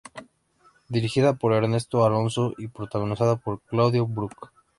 Dirigida por Ernesto Alonso y protagonizada por Claudio Brook.